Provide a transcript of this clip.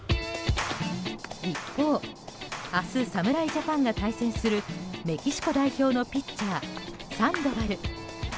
一方、明日侍ジャパンが対戦するメキシコ代表のピッチャーサンドバル。